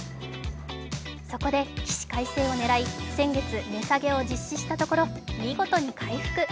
そこで起死回生を狙い、先月、値下げを実施したところ、見事に回復。